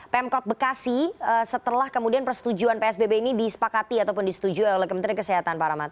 pemkot bekasi setelah kemudian persetujuan psbb ini disepakati ataupun disetujui oleh kementerian kesehatan pak rahmat